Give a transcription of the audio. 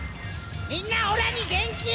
みんなオラに元気を！